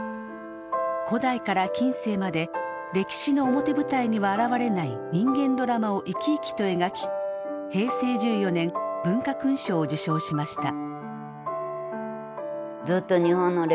古代から近世まで歴史の表舞台には現れない人間ドラマを生き生きと描き平成１４年文化勲章を受章しました。